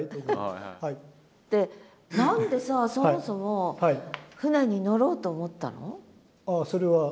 で何でさそもそも船に乗ろうと思ったの？